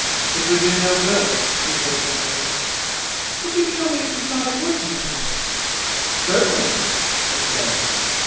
"It would do no good," he said simply. "Would you kill me if you thought it would do good?" "Certainly!" he said.